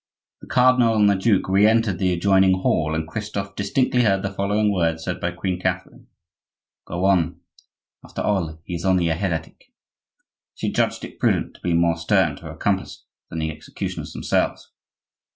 The cardinal and the duke re entered the adjoining hall, and Christophe distinctly heard the following words said by Queen Catherine: "Go on; after all, he is only a heretic." She judged it prudent to be more stern to her accomplice than the executioners themselves.